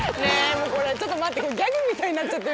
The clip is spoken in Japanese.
もうこれちょっと待って。